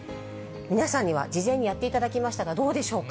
皆さんには事前にやっていただきましたが、どうでしょうか。